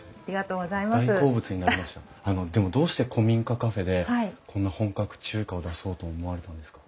あのでもどうして古民家カフェでこんな本格中華を出そうと思われたんですか？